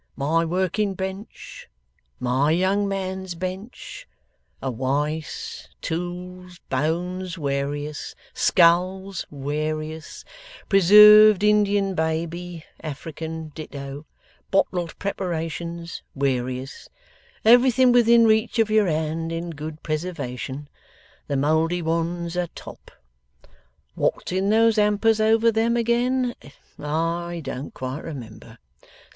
My working bench. My young man's bench. A Wice. Tools. Bones, warious. Skulls, warious. Preserved Indian baby. African ditto. Bottled preparations, warious. Everything within reach of your hand, in good preservation. The mouldy ones a top. What's in those hampers over them again, I don't quite remember.